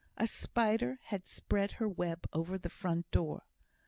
A spider had spread her web over the front door.